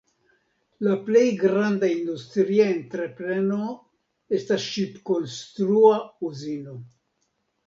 La plej grava industria entrepreno estas ŝip-konstrua uzino.